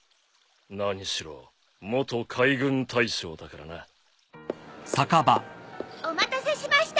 何しろ元海軍大将だからな。お待たせしました。